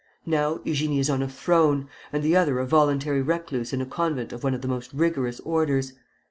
Now Eugénie is on a throne, and the other a voluntary recluse in a convent of one of the most rigorous Orders."